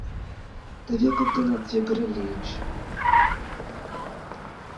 Теве коктынат йыгыре лийыч.